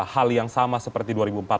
hal yang sama seperti dua ribu empat belas